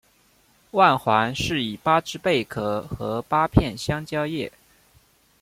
外环饰以八只贝壳和八片香蕉叶。